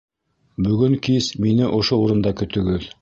Бөгөн кис мине ошо урында көтөгөҙ.